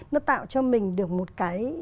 nó tạo cho mình được một cái